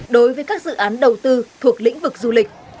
đối với các dự án đầu tư thuộc lĩnh vực du lịch